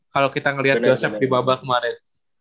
kalau kita ngeliat joseph di bubble kemarin